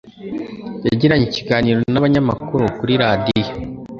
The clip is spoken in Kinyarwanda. yagiranye ikiganiro n'abanyamakuru kuri radiyo,